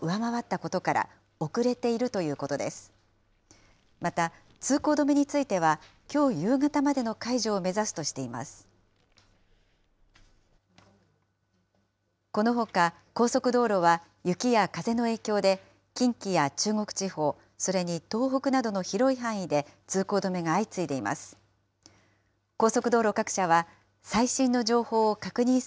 このほか高速道路は雪や風の影響で近畿や中国地方、それに東北などの広い範囲で通行止めが相次いでいます。